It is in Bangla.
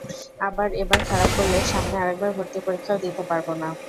আবার এবার খারাপ করলে সামনে আরেকবার ভর্তি পরীক্ষাও দিতে পারব না।